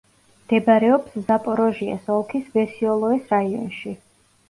მდებარეობს ზაპოროჟიეს ოლქის ვესიოლოეს რაიონში.